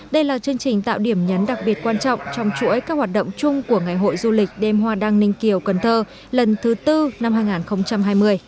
đây là chương trình tạo điểm nhấn đặc biệt quan trọng trong chuỗi các hoạt động chung của ngày hội du lịch đêm hoa đăng ninh kiều cần thơ lần thứ tư năm hai nghìn hai mươi